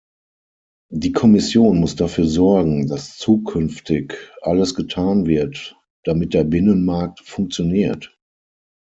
Die Kommission muss dafür sorgen, dass zukünftig alles getan wird, damit der Binnenmarkt funktioniert.